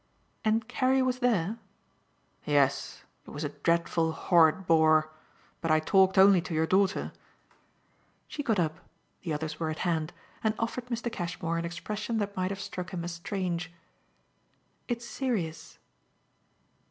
"And Carrie was there?" "Yes. It was a dreadful horrid bore. But I talked only to your daughter." She got up the others were at hand and offered Mr. Cashmore an expression that might have struck him as strange. "It's serious."